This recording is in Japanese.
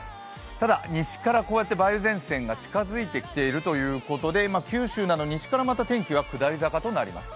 ただ、西から梅雨前線が近づいてきているということで九州など西からまた天気は下り坂となります。